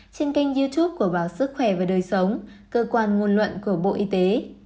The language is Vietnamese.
trên kênh youtube của báo sức khỏe và đời sống cơ quan ngôn luận của bộ y tế